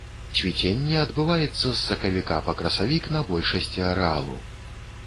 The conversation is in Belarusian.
Цвіценне адбываецца з сакавіка па красавік на большасці арэалу.